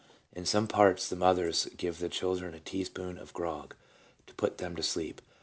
In some parts the mothers give the children a tea spoonful of 'grog' to put them to sleep.